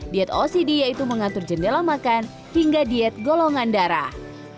diet ocd yaitu mengatur jendela makan hingga diet golongan darah